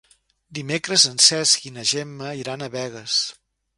Dimecres en Cesc i na Gemma iran a Begues.